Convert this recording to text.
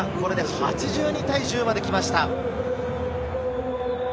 ８２対１０まで来ました。